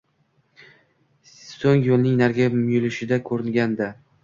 So’ng yo’lning narigi muyulishida ko’ringandi.